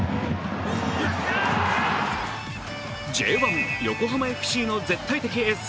Ｊ１・横浜ＦＣの絶対的エース